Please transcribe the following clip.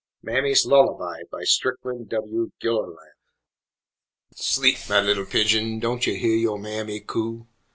_ MAMMY'S LULLABY BY STRICKLAND W. GILLILAN Sleep, mah li'l pigeon, don' yo' heah yo' mammy coo?